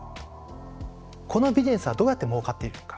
このビジネスはどうやってもうかっているのか。